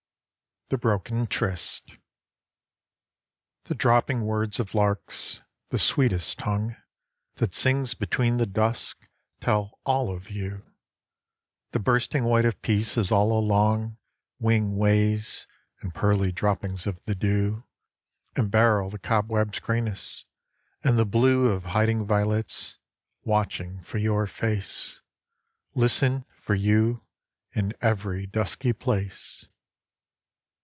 THE BROKEN TRYST The dropping words of larks, the sweetest tongue That sings between the dusks, tell all of you ; The bursting white of Peace is all along Wing ways, and pearly droppings of the dew Emberyl the cobwebs' greyness, and the blue Of hiding violets, watching for your face. Listen for you in every dusky place.